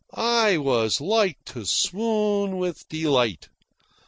I was like to swoon with delight.